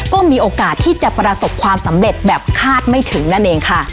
ก็มีโอกาสที่จะประสบความสำเร็จแบบคาดไม่ถึงนั่นเองค่ะ